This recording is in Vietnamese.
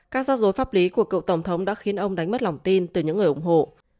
các do dối pháp lý của cựu tổng thống đã khiến ông đánh mất lòng tin từ những người ủng hộ